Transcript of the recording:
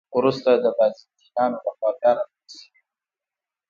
وروسته د بازنطینانو له خوا بیا رغول شوې دي.